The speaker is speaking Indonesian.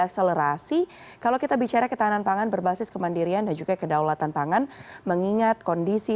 selamat sore pak arief dan juga pak bima